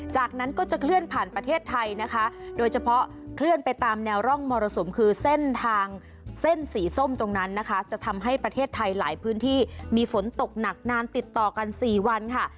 จากนั้นก็จะเคลื่อนผ่านประเทศไทยนะคะโดยเฉพาะเคลื่อนไปตามแนวร่องมรสุมคือเส้นทางเส้นสีส้มตรงนั้นนะคะจะทำให้ประเทศไทยหลายพื้นที่มีฝนตกหนักนานติดต่อกัน๔วันค่ะ